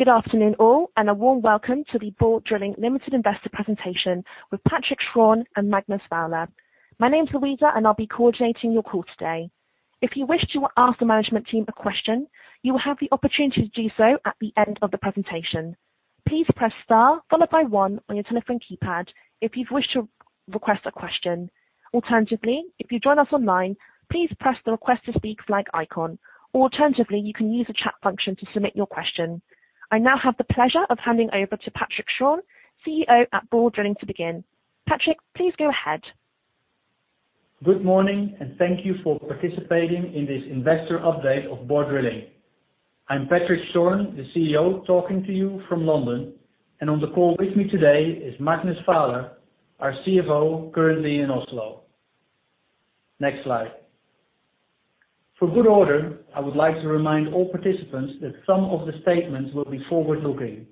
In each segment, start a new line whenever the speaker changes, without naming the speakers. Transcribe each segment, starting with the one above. Good afternoon all, and a warm welcome to the Borr Drilling Limited Investor Presentation with Patrick Schorn and Magnus Vaaler. My name is Louisa and I'll be coordinating your call today. If you wish to ask the management team a question, you will have the opportunity to do so at the end of the presentation. Please press star followed by one on your telephone keypad if you wish to request a question. Alternatively, if you join us online, please press the Request to Speak flag icon. Alternatively, you can use the chat function to submit your question. I now have the pleasure of handing over to Patrick Schorn, CEO at Borr Drilling to begin. Patrick, please go ahead.
Good morning, thank you for participating in this investor update of Borr Drilling. I'm Patrick Schorn, the CEO, talking to you from London, and on the call with me today is Magnus Vaaler, our CFO, currently in Oslo. Next slide. For good order, I would like to remind all participants that some of the statements will be forward-looking.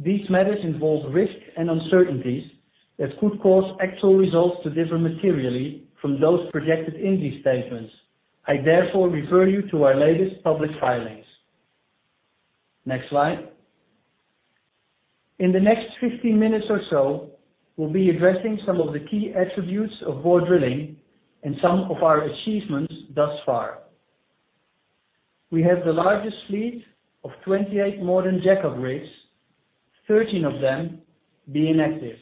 These matters involve risk and uncertainties that could cause actual results to differ materially from those projected in these statements. I therefore refer you to our latest public filings. Next slide. In the next 15 minutes or so, we'll be addressing some of the key attributes of Borr Drilling and some of our achievements thus far. We have the largest fleet of 28 modern jackup rigs, 13 of them being active.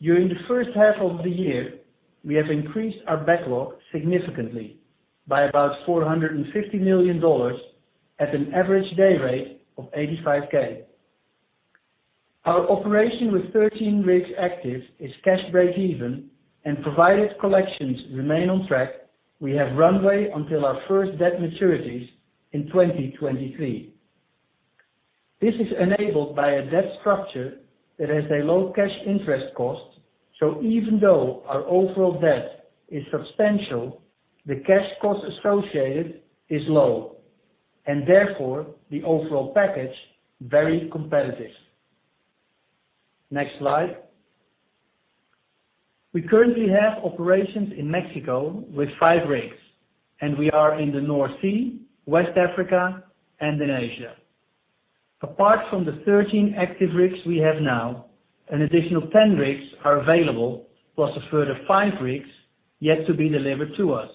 During the first half of the year, we have increased our backlog significantly by about $450 million at an average day rate of $85,000. Our operation with 13 rigs active is cash breakeven, and provided collections remain on track, we have runway until our first debt maturities in 2023. This is enabled by a debt structure that has a low cash interest cost, so even though our overall debt is substantial, the cash cost associated is low, and therefore the overall package very competitive. Next slide. We currently have operations in Mexico with five rigs, and we are in the North Sea, West Africa, and in Asia. Apart from the 13 active rigs we have now, an additional 10 rigs are available, plus a further five rigs yet to be delivered to us.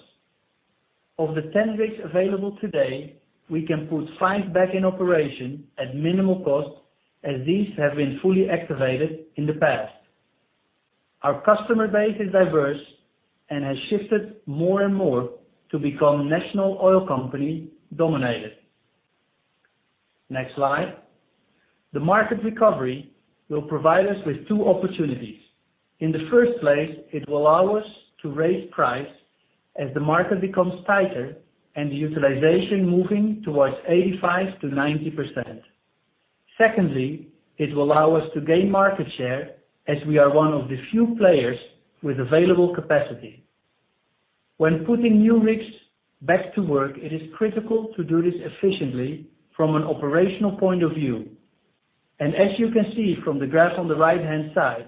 Of the 10 rigs available today, we can put five back in operation at minimal cost, as these have been fully activated in the past. Our customer base is diverse and has shifted more and more to become national oil company-dominated. Next slide. The market recovery will provide us with two opportunities. In the first place, it will allow us to raise price as the market becomes tighter and the utilization moving towards 85%-90%. Secondly, it will allow us to gain market share as we are one of the few players with available capacity. When putting new rigs back to work, it is critical to do this efficiently from an operational point of view. As you can see from the graph on the right-hand side,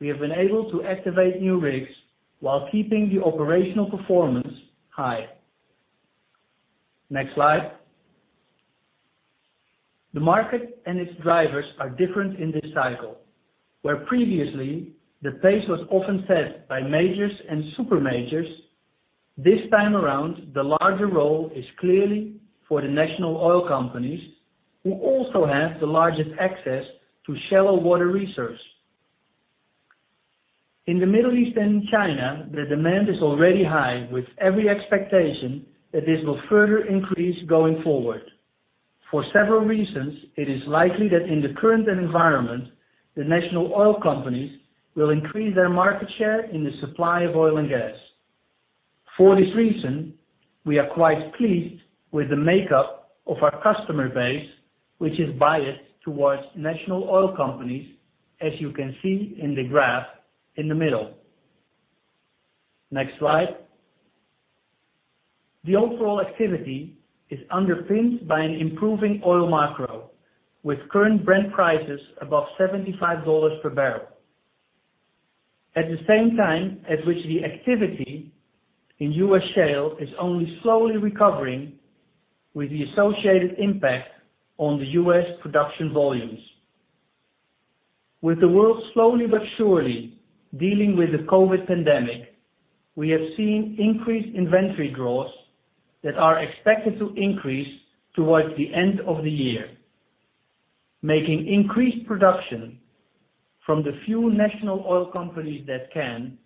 we have been able to activate new rigs while keeping the operational performance high. Next slide. The market and its drivers are different in this cycle. Where previously the pace was often set by majors and super majors, this time around, the larger role is clearly for the national oil companies, who also have the largest access to shallow water resource. In the Middle East and China, the demand is already high, with every expectation that this will further increase going forward. For several reasons, it is likely that in the current environment, the national oil companies will increase their market share in the supply of oil and gas. For this reason, we are quite pleased with the makeup of our customer base, which is biased towards national oil companies, as you can see in the graph in the middle. Next slide. The overall activity is underpinned by an improving oil macro, with current Brent prices above $75 per barrel. At the same time at which the activity in U.S. shale is only slowly recovering with the associated impact on the U.S. production volumes. With the world slowly but surely dealing with the COVID pandemic, we have seen increased inventory draws that are expected to increase towards the end of the year, making increased production from the few national oil companies that can,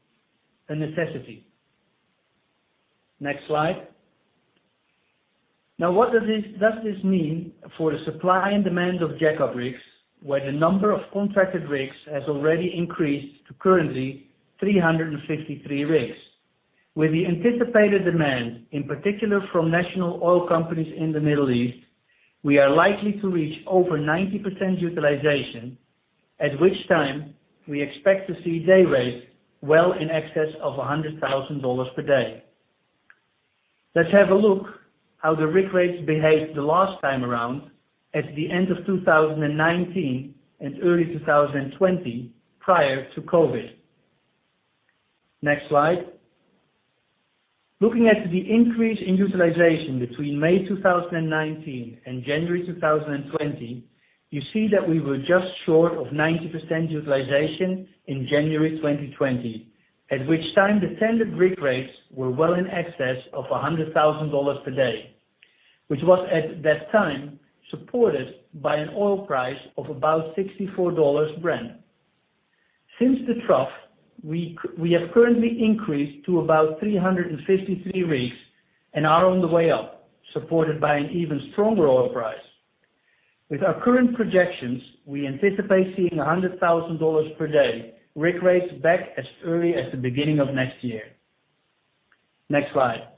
a necessity. Next slide. What does this mean for the supply and demand of jackup rigs, where the number of contracted rigs has already increased to currently 353 rigs? With the anticipated demand, in particular from national oil companies in the Middle East, we are likely to reach over 90% utilization, at which time we expect to see day rates well in excess of $100,000 per day. Let's have a look how the rig rates behaved the last time around at the end of 2019 and early 2020 prior to COVID. Next slide. Looking at the increase in utilization between May 2019 and January 2020, you see that we were just short of 90% utilization in January 2020, at which time the standard rig rates were well in excess of $100,000 per day, which was, at that time, supported by an oil price of about $64 Brent. Since the trough, we have currently increased to about 353 rigs and are on the way up, supported by an even stronger oil price. With our current projections, we anticipate seeing $100,000 per day rig rates back as early as the beginning of next year. Next slide.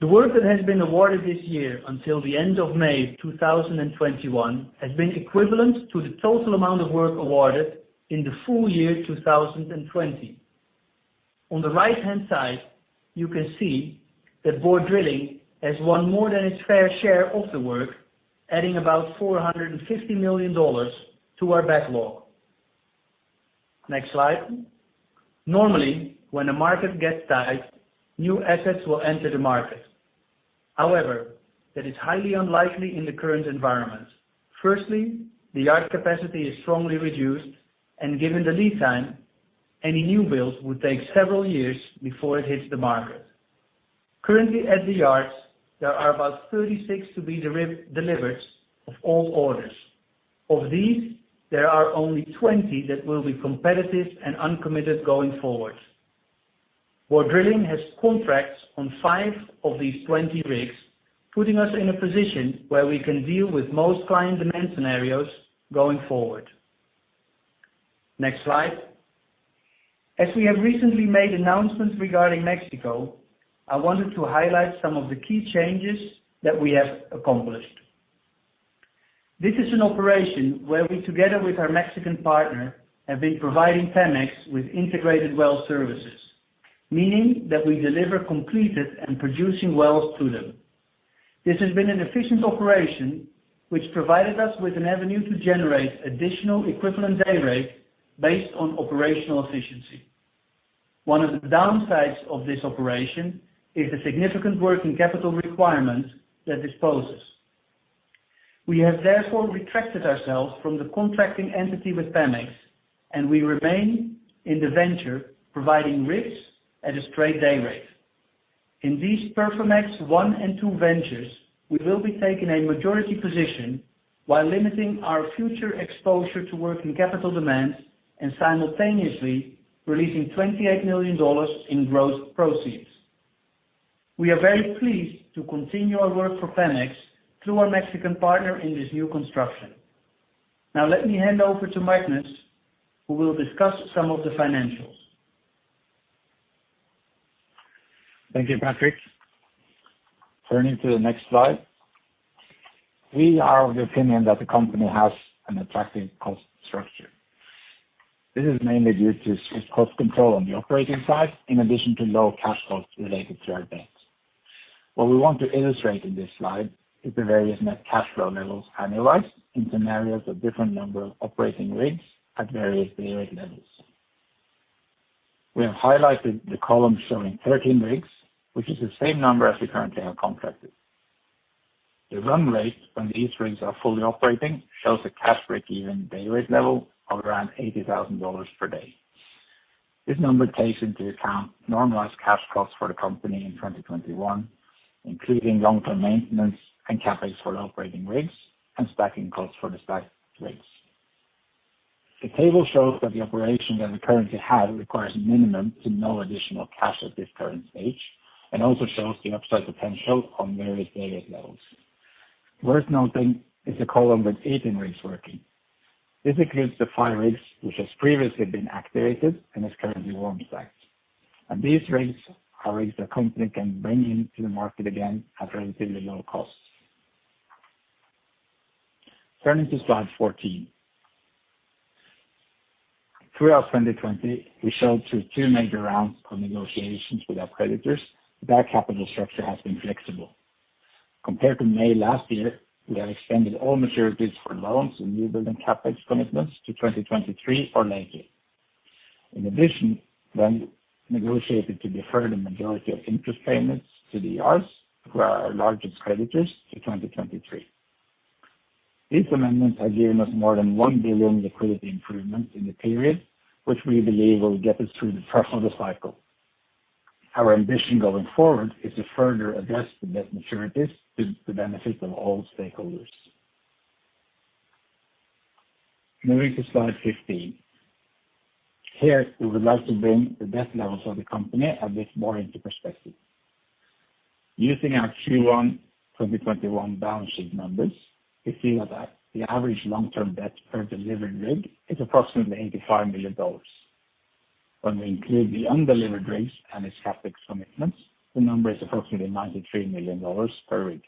The work that has been awarded this year until the end of May 2021 has been equivalent to the total amount of work awarded in the full year 2020. On the right-hand side, you can see that Borr Drilling has won more than its fair share of the work, adding about $450 million to our backlog. Next slide. Normally, when a market gets tight, new assets will enter the market. However, that is highly unlikely in the current environment. Firstly, the yard capacity is strongly reduced, and given the lead time, any newbuild would take several years before it hits the market. Currently at the yards, there are about 36 to be delivered of old orders. Of these, there are only 20 that will be competitive and uncommitted going forward. Borr Drilling has contracts on five of these 20 rigs, putting us in a position where we can deal with most client demand scenarios going forward. Next slide. As we have recently made announcements regarding Mexico, I wanted to highlight some of the key changes that we have accomplished. This is an operation where we, together with our Mexican partner, have been providing Pemex with integrated well services, meaning that we deliver completed and producing wells to them. This has been an efficient operation, which provided us with an avenue to generate additional equivalent day rate based on operational efficiency. One of the downsides of this operation is the significant working capital requirement that this poses. We have therefore retracted ourselves from the contracting entity with Pemex, and we remain in the venture providing rigs at a straight day rate. In these Perfomex and Perfomex II ventures, we will be taking a majority position while limiting our future exposure to working capital demands and simultaneously releasing $28 million in gross proceeds. We are very pleased to continue our work for Pemex through our Mexican partner in this new construction. Let me hand over to Magnus, who will discuss some of the financials.
Thank you, Patrick. Turning to the next slide. We are of the opinion that the company has an attractive cost structure. This is mainly due to strict cost control on the operating side, in addition to low cash costs related to our debt. What we want to illustrate in this slide is the various net cash flow levels annualized in scenarios of different number of operating rigs at various day rate levels. We have highlighted the column showing 13 rigs, which is the same number as we currently have contracted. The run rate when these rigs are fully operating shows a cash breakeven day rate level of around $80,000 per day. This number takes into account normalized cash costs for the company in 2021, including long-term maintenance and CapEx for the operating rigs and stacking costs for the stacked rigs. The table shows that the operation that we currently have requires minimum to no additional cash at this current stage. Also shows the upside potential on various day rate levels. Worth noting is the column with 18 rigs working. This includes the five rigs which has previously been activated and is currently warm stacked. These rigs are rigs the company can bring into the market again at relatively low costs. Turning to slide 14. Throughout 2020, we showed through two major rounds of negotiations with our creditors that our capital structure has been flexible. Compared to May last year, we have extended all maturities for loans and new building CapEx commitments to 2023 or later. In addition, then negotiated to defer the majority of interest payments to the ECAs, who are our largest creditors, to 2023. These amendments have given us more than $1 billion liquidity improvement in the period, which we believe will get us through the trough of the cycle. Our ambition going forward is to further address the net maturities to the benefit of all stakeholders. Moving to slide 15. Here, we would like to bring the debt levels of the company a bit more into perspective. Using our Q1 2021 balance sheet numbers, we see that the average long-term debt per delivered rig is approximately $85 million. When we include the undelivered rigs and its CapEx commitments, the number is approximately $93 million per rig.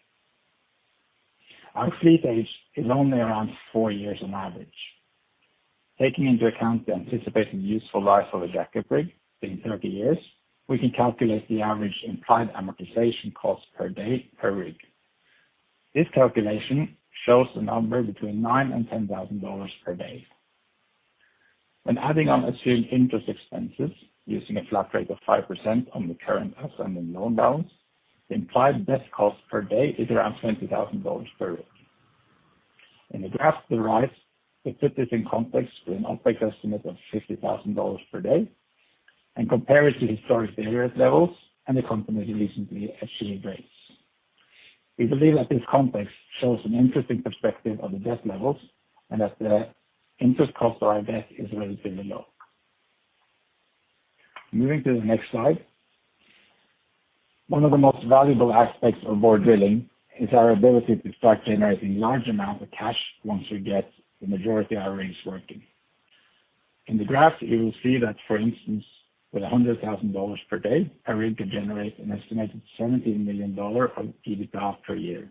Our fleet age is only around four years on average. Taking into account the anticipated useful life of a jackup rig, being 30 years, we can calculate the average implied amortization cost per day per rig. This calculation shows the number between $9,000 and $10,000 per day. When adding on assumed interest expenses, using a flat rate of 5% on the current outstanding loan balance, the implied debt cost per day is around $20,000 per rig. In the graph to the right, we put this in context with an breakeven estimate of $50,000 per day and compare it to historic variance levels and the company's recently achieved rates. We believe that this context shows an interesting perspective of the debt levels and that the interest cost on our debt is relatively low. Moving to the next slide. One of the most valuable aspects of Borr Drilling is our ability to start generating large amounts of cash once we get the majority of our rigs working. In the graph, you will see that, for instance, with $100,000 per day, a rig could generate an estimated $17 million of EBITDA per year.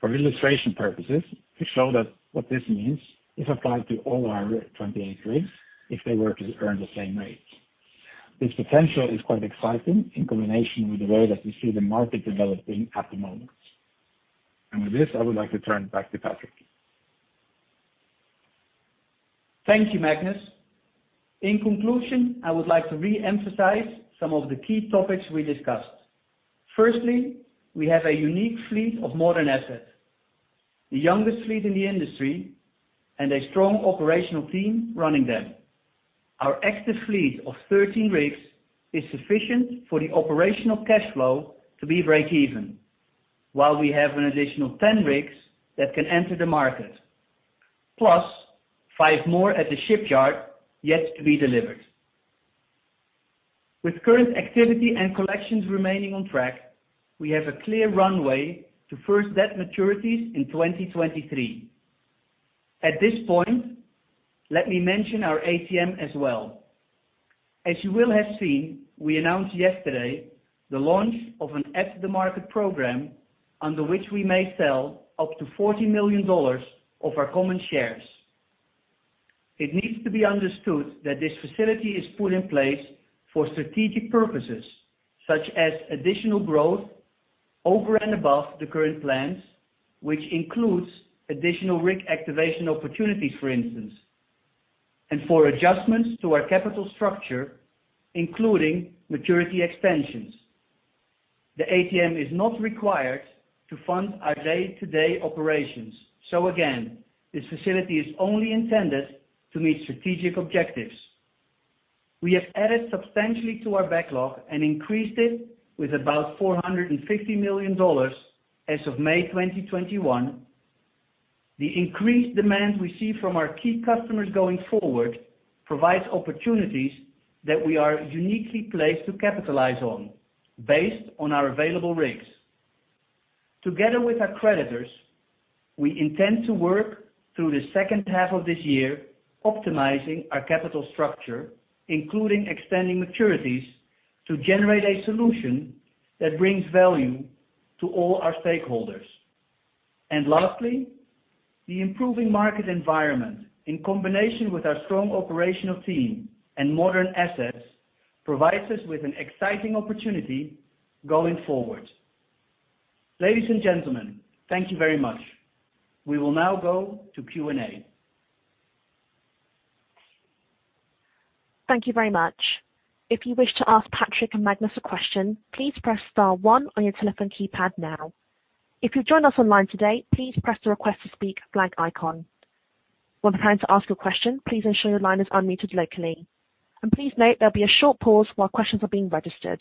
For illustration purposes, we show that what this means if applied to all our 28 rigs, if they were to earn the same rates. This potential is quite exciting in combination with the way that we see the market developing at the moment. With this, I would like to turn it back to Patrick.
Thank you, Magnus. In conclusion, I would like to re-emphasize some of the key topics we discussed. Firstly, we have a unique fleet of modern assets, the youngest fleet in the industry, and a strong operational team running them. Our active fleet of 13 rigs is sufficient for the operational cash flow to be breakeven, while we have an additional 10 rigs that can enter the market, plus five more at the shipyard yet to be delivered. With current activity and collections remaining on track, we have a clear runway to first debt maturities in 2023. At this point, let me mention our ATM as well. As you will have seen, we announced yesterday the launch of an at-the-market program under which we may sell up to $40 million of our common shares. It needs to be understood that this facility is put in place for strategic purposes, such as additional growth over and above the current plans, which includes additional rig activation opportunities, for instance, and for adjustments to our capital structure, including maturity extensions. The ATM is not required to fund our day-to-day operations. Again, this facility is only intended to meet strategic objectives. We have added substantially to our backlog and increased it with about $450 million as of May 2021. The increased demand we see from our key customers going forward provides opportunities that we are uniquely placed to capitalize on based on our available rigs. Together with our creditors, we intend to work through the second half of this year optimizing our capital structure, including extending maturities, to generate a solution that brings value to all our stakeholders. Lastly, the improving market environment, in combination with our strong operational team and modern assets, provides us with an exciting opportunity going forward. Ladies and gentlemen, thank you very much. We will now go to Q&A.
Thank you very much. If you wish to ask Patrick and Magnus a question, please press star one on your telephone keypad now. If you've joined us online today, please press the Request to Speak flag icon. When preparing to ask your question, please ensure your line is unmuted locally. Please note there'll be a short pause while questions are being registered.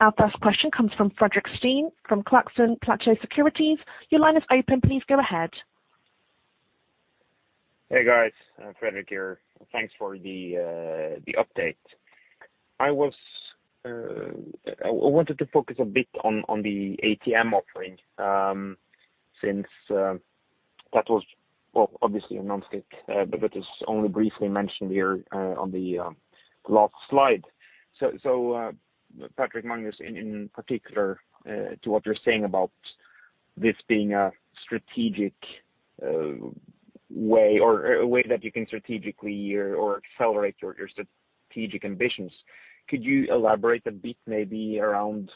Our first question comes from Fredrik Stene from Clarkson Platou Securities. Your line is open. Please go ahead.
Hey, guys, Fredrik here. Thanks for the update. I wanted to focus a bit on the ATM offering, since that was, well, obviously a non-stick, but it is only briefly mentioned here on the last slide. Patrick, Magnus, in particular to what you're saying about this being a strategic way or a way that you can strategically or accelerate your strategic ambitions, could you elaborate a bit maybe around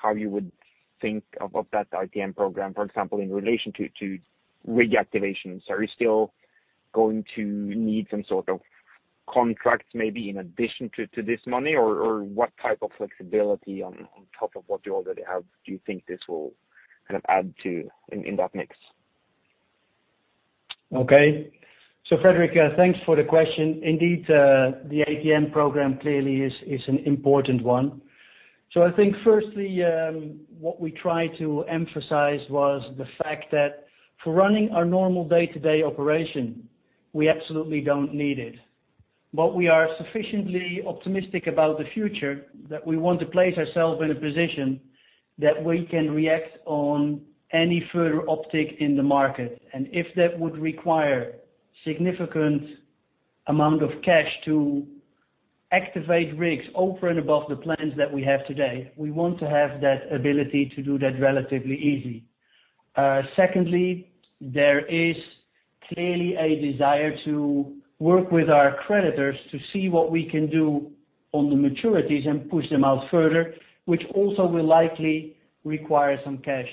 how you would think of that ATM program, for example, in relation to rig activations? Are you still going to need some sort of contracts maybe in addition to this money? What type of flexibility on top of what you already have do you think this will add to in that mix?
Okay. Fredrik, thanks for the question. Indeed, the ATM program clearly is an important one. I think firstly, what we tried to emphasize was the fact that for running our normal day-to-day operation, we absolutely don't need it. What we are sufficiently optimistic about the future that we want to place ourselves in a position that we can react on any further uptick in the market. If that would require significant amount of cash to activate rigs over and above the plans that we have today, we want to have that ability to do that relatively easy. Secondly, there is clearly a desire to work with our creditors to see what we can do on the maturities and push them out further, which also will likely require some cash.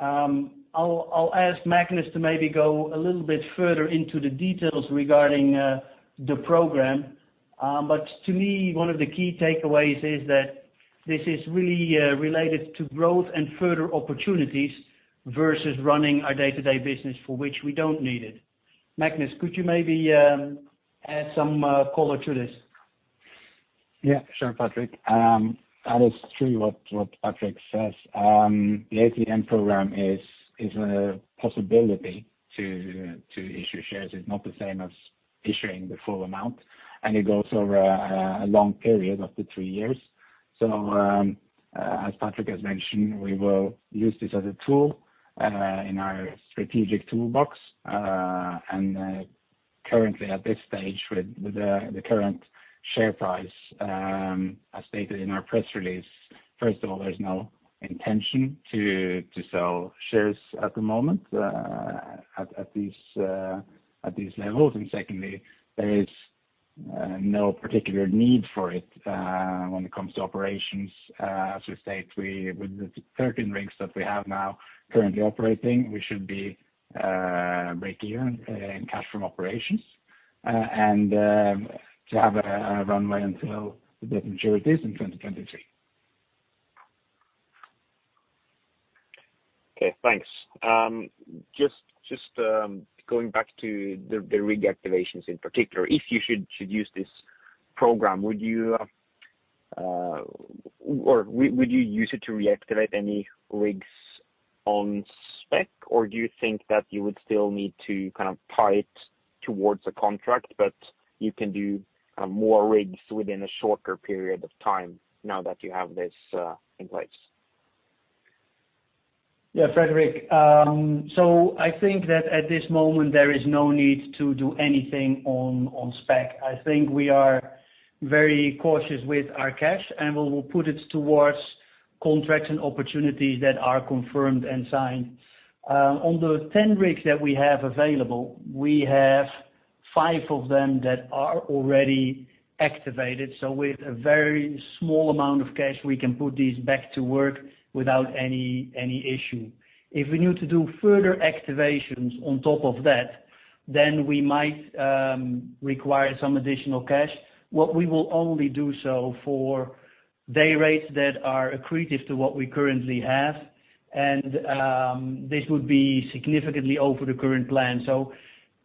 I'll ask Magnus to maybe go a little bit further into the details regarding the program. To me, one of the key takeaways is that this is really related to growth and further opportunities versus running our day-to-day business for which we don't need it. Magnus, could you maybe add some color to this?
Yeah, sure, Patrick. That is true what Patrick says. The ATM program is a possibility to issue shares. It's not the same as issuing the full amount, and it goes over a long period of the three years. As Patrick has mentioned, we will use this as a tool in our strategic toolbox. Currently at this stage, with the current share price, as stated in our press release. First of all, there's no intention to sell shares at the moment at these levels, and secondly, there is no particular need for it when it comes to operations, as we state with the 13 rigs that we have now currently operating, we should be break even in cash from operations. To have a runway until the debt maturities in 2023.
Okay, thanks. Just going back to the rig activations in particular. If you should use this program, would you use it to reactivate any rigs on spec, or do you think that you would still need to tie it towards a contract, but you can do more rigs within a shorter period of time now that you have this in place?
Yeah, Fredrik. I think that at this moment, there is no need to do anything on spec. I think we are very cautious with our cash, and we will put it towards contracts and opportunities that are confirmed and signed. On the 10 rigs that we have available, we have five of them that are already activated. With a very small amount of cash, we can put these back to work without any issue. If we need to do further activations on top of that, we might require some additional cash. What we will only do so for day rates that are accretive to what we currently have. This would be significantly over the current plan.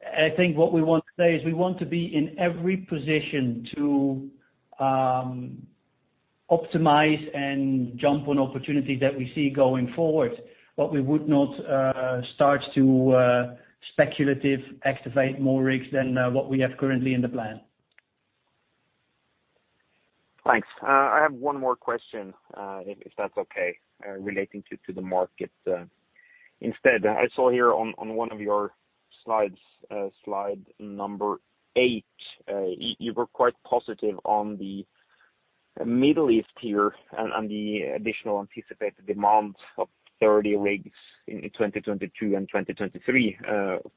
I think what we want to say is we want to be in every position to optimize and jump on opportunities that we see going forward, but we would not start to speculative activate more rigs than what we have currently in the plan.
Thanks. I have one more question, if that's okay, relating to the market. I saw here on one of your slides, slide number eight, you were quite positive on the Middle East here and the additional anticipated demand of 30 rigs in 2022 and 2023.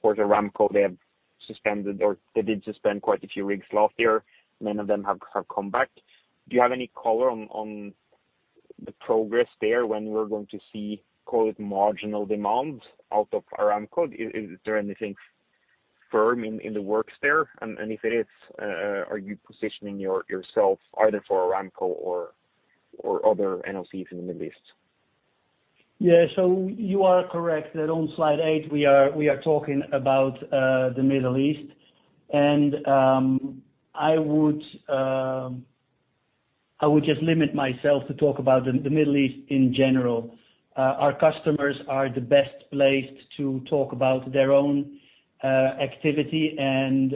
For Aramco, they did suspend quite a few rigs last year. Many of them have come back. Do you have any color on the progress there, when we're going to see, call it marginal demand out of Aramco? Is there anything firm in the works there? If it is, are you positioning yourself either for Aramco or other NOCs in the Middle East?
Yeah. You are correct that on slide eight we are talking about the Middle East. I would just limit myself to talk about the Middle East in general. Our customers are the best placed to talk about their own activity and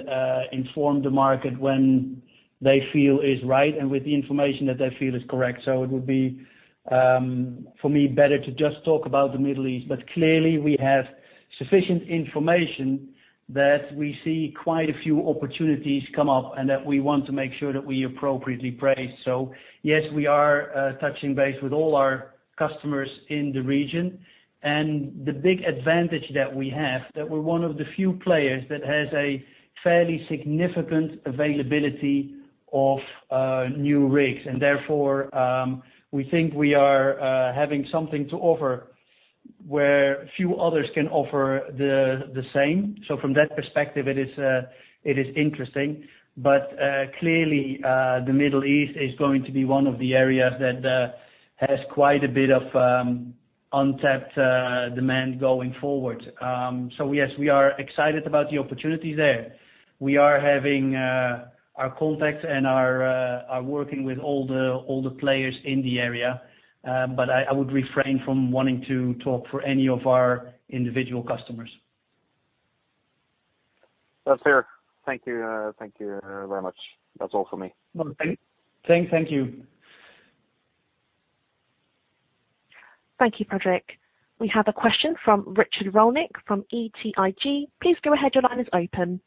inform the market when they feel is right and with the information that they feel is correct. It would be, for me, better to just talk about the Middle East. Clearly, we have sufficient information that we see quite a few opportunities come up and that we want to make sure that we appropriately appraise. Yes, we are touching base with all our customers in the region. The big advantage that we have, that we're one of the few players that has a fairly significant availability of new rigs. Therefore, we think we are having something to offer where few others can offer the same. From that perspective, it is interesting. Clearly, the Middle East is going to be one of the areas that has quite a bit of untapped demand going forward. Yes, we are excited about the opportunities there. We are having our contacts and are working with all the players in the area. I would refrain from wanting to talk for any of our individual customers.
That's fair. Thank you. Thank you very much. That's all for me.
No, thank you.
Thank you, Patrick. We have a question from Richard Rolnick from BTIG. Please go ahead. Your line is open.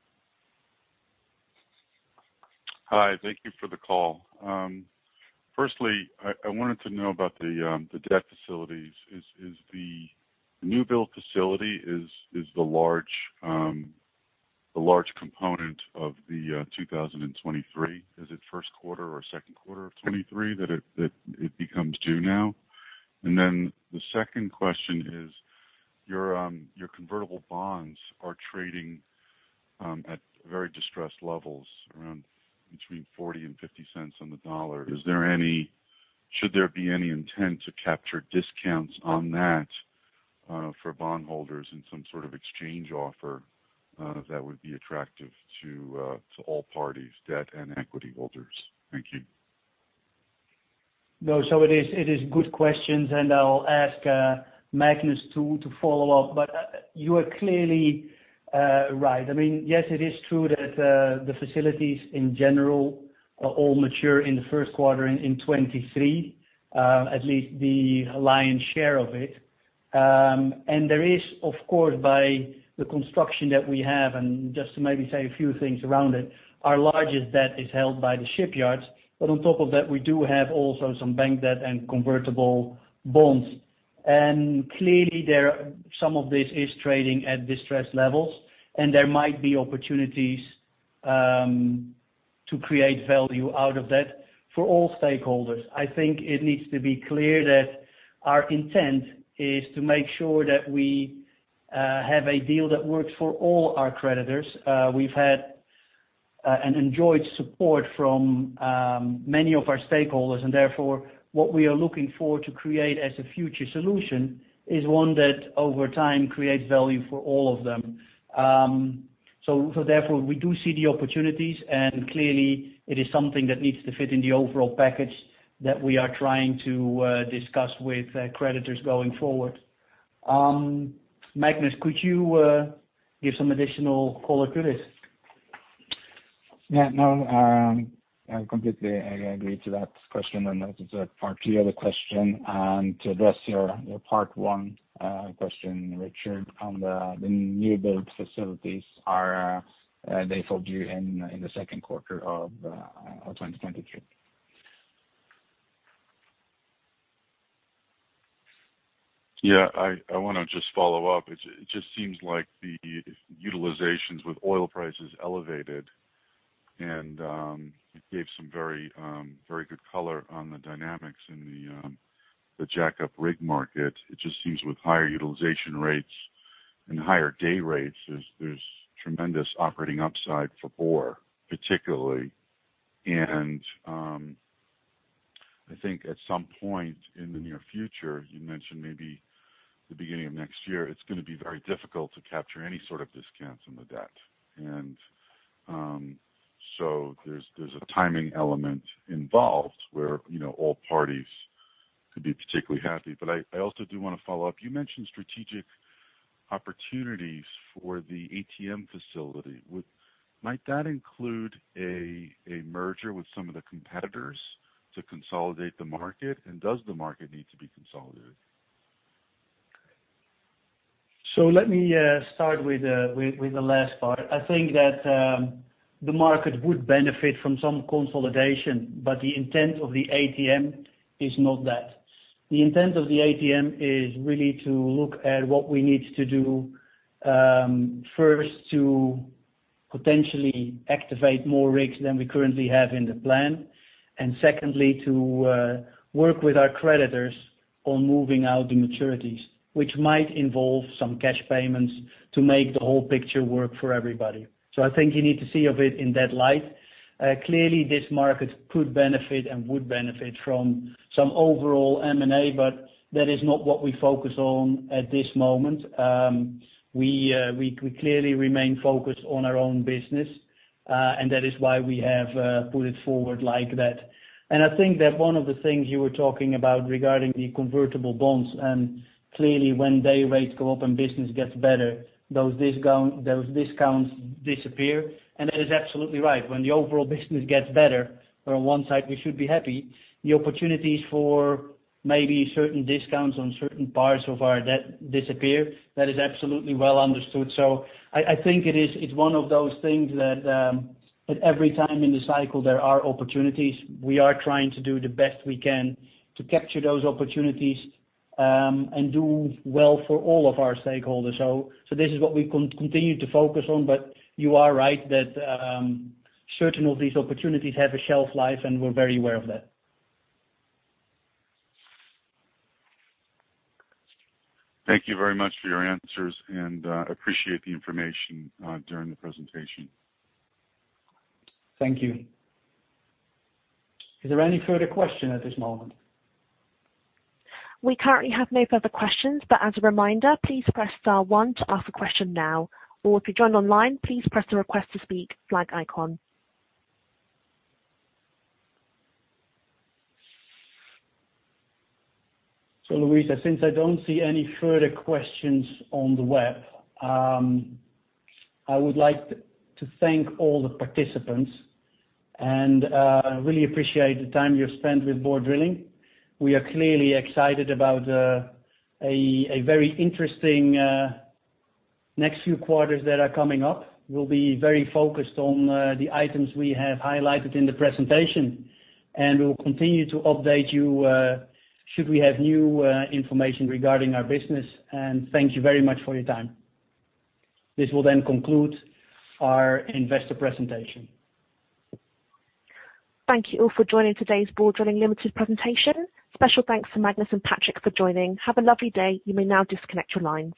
Hi. Thank you for the call. Firstly, I wanted to know about the debt facilities. Is the newbuild facility the large component of the 2023? Is it first quarter or second quarter of 2023 that it becomes due now? The second question is, your convertible bonds are trading at very distressed levels around between $0.40 and $0.50 on the dollar. Should there be any intent to capture discounts on that for bondholders in some sort of exchange offer that would be attractive to all parties, debt and equity holders? Thank you.
It is good questions, and I'll ask Magnus, too, to follow up, but you are clearly right. Yes, it is true that the facilities in general all mature in the first quarter of 2023, at least the lion's share of it. There is, of course, by the construction that we have, and just to maybe say a few things around it, our largest debt is held by the shipyards. On top of that, we do have also some bank debt and convertible bonds. Clearly, some of this is trading at distressed levels, and there might be opportunities to create value out of that for all stakeholders. I think it needs to be clear that our intent is to make sure that we have a deal that works for all our creditors. We've had an enjoyed support from many of our stakeholders. Therefore, what we are looking for to create as a future solution is one that over time creates value for all of them. Therefore, we do see the opportunities, and clearly, it is something that needs to fit in the overall package that we are trying to discuss with creditors going forward. Magnus, could you give some additional color to this?
Yeah, no, I completely agree to that question and that is a part two of the question. To address your part one question, Richard, on the newbuild facilities are, they fall due in the second quarter of 2023.
Yeah, I want to just follow up. It just seems like the utilizations with oil prices elevated, and you gave some very good color on the dynamics in the jack-up rig market. It just seems with higher utilization rates and higher day rates, there's tremendous operating upside for Borr, particularly. I think at some point in the near future, you mentioned maybe the beginning of next year, it's going to be very difficult to capture any sort of discounts on the debt. There's a timing element involved where all parties could be particularly happy. I also do want to follow up. You mentioned strategic opportunities for the ATM facility. Might that include a merger with some of the competitors to consolidate the market? Does the market need to be consolidated?
Let me start with the last part. I think that the market would benefit from some consolidation, but the intent of the ATM is not that. The intent of the ATM is really to look at what we need to do, first to potentially activate more rigs than we currently have in the plan and secondly, to work with our creditors on moving out the maturities, which might involve some cash payments to make the whole picture work for everybody. I think you need to see of it in that light. Clearly, this market could benefit and would benefit from some overall M&A, but that is not what we focus on at this moment. We clearly remain focused on our own business, and that is why we have put it forward like that. I think that one of the things you were talking about regarding the convertible bonds, and clearly when day rates go up and business gets better, those discounts disappear. That is absolutely right. When the overall business gets better, on one side, we should be happy. The opportunities for maybe certain discounts on certain parts of our debt disappear. That is absolutely well understood. I think it's one of those things that at every time in the cycle, there are opportunities. We are trying to do the best we can to capture those opportunities, and do well for all of our stakeholders. This is what we continue to focus on, but you are right that certain of these opportunities have a shelf life, and we're very aware of that.
Thank you very much for your answers, and I appreciate the information during the presentation.
Thank you. Is there any further question at this moment?
We currently have no further questions. As a reminder, please press star one to ask a question now, or if you joined online, please press the Request to Speak flag icon.
Louisa, since I don't see any further questions on the web, I would like to thank all the participants and really appreciate the time you spent with Borr Drilling. We are clearly excited about a very interesting next few quarters that are coming up. We'll be very focused on the items we have highlighted in the presentation, and we will continue to update you should we have new information regarding our business, and thank you very much for your time. This will then conclude our investor presentation.
Thank you all for joining today's Borr Drilling Limited presentation. Special thanks to Magnus and Patrick for joining. Have a lovely day. You may now disconnect your lines.